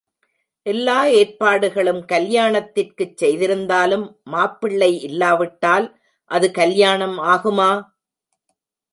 எல்லா ஏற்பாடுகளும் கல்யாணத்திற்குச் செய்திருந்தாலும் மாப்பிள்ளை இல்லாவிட்டால் அது கல்யாணம் ஆகுமா?